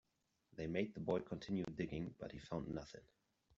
They made the boy continue digging, but he found nothing.